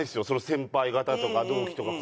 先輩方とか同期とか。